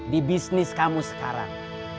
di bisnis kamu sekarang